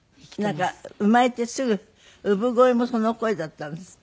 なんか生まれてすぐ産声もその声だったんですって？